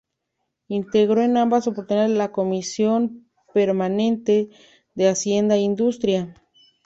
Integró en ambas oportunidades la comisión permanente de Hacienda e Industria.